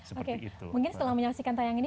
oke mungkin setelah menyaksikan tayang ini